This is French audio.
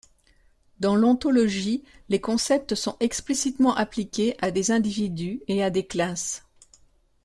Dans l’ontologie, les concepts sont explicitement appliqués à des individus et à des classes.